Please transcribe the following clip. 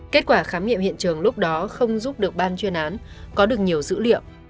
kết quả khám nghiệm hiện trường lúc đó không giúp được ban chuyên án có được nhiều dữ liệu